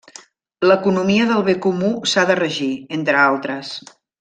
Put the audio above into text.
L'economia del bé comú s'ha de regir, entre altres.